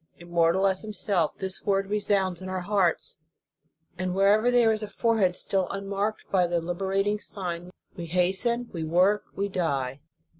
Immortal as Himself, this word resounds in our hearts, and wherever there is a forehead still un marked by the liberating sign, we hasten, we work, we die.